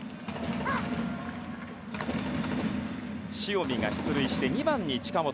塩見が出塁して２番に近本。